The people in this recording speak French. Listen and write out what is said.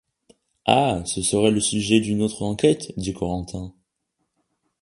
Ah! ce serait le sujet d’une autre enquête, dit Corentin.